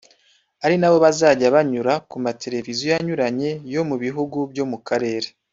ari nabo bazajya banyura ku ma televiziyo anyuranye yo mu bihugu byo mu karere